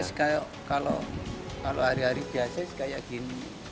ini kayak kalau hari hari biasa kayak gini